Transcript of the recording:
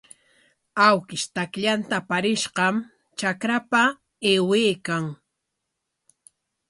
Awkish takllanta aparishqam trakrapa aywaykan.